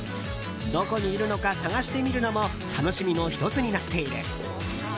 どこにいるのか探してみるのも楽しみの１つになっている。